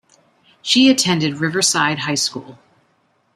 She attended Riverside High School.